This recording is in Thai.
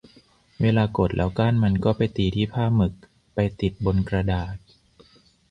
เวลากดแล้วก้านมันก็ไปตีที่ผ้าหมึก ไปติดบนกระดาษ